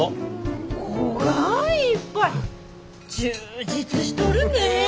こがんいっぱい充実しとるねえ。